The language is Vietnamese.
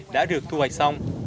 được thu hoạch xong